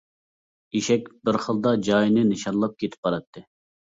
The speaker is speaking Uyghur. ئېشەك بىر خىلدا جايىنى نىشانلاپ كېتىپ باراتتى.